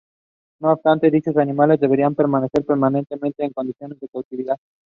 Gladney (a Canadian veteran of World War I) in command.